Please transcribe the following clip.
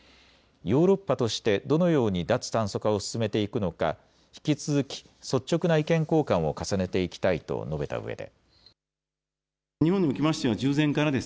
ヨーロッパとしてどのように脱炭素化を進めていくのか引き続き率直な意見交換を重ねていきたいと述べたうえで。